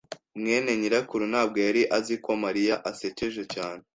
mwene nyirakuru ntabwo yari azi ko Mariya asekeje cyane.